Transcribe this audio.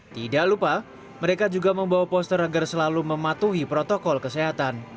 tidak lupa mereka juga membawa poster agar selalu mematuhi protokol kesehatan